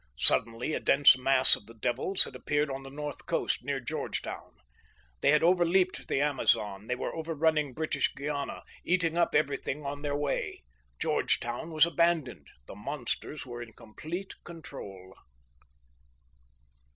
Suddenly a dense mass of the devils had appeared on the north coast, near Georgetown. They had overleaped the Amazon; they were overrunning British Guiana, eating up everything on their way. Georgetown was abandoned; the monsters were in complete control.